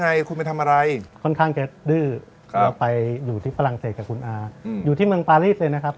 ไงคุณไปทำอะไรค่อนข้างแค่ด้ื่อกันไปอยู่ที่ในปลารังเศสและคุณอาอยู่ที่เมืองปาลีสเองนะครับ